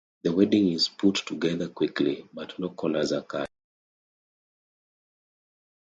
The wedding is put together quickly, but no corners are cut.